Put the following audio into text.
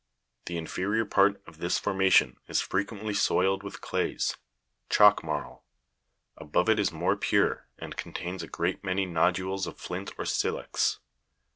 The inferior part of this formation is fre quently soiled with clays chalk marl. Above it is more pure, and contains a great many nodules of flint or silex.